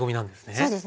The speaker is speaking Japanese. そうですね。